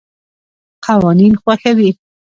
قوانین خوښوي.